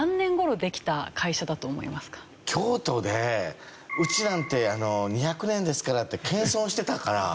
京都で「うちなんて２００年ですから」って謙遜してたから。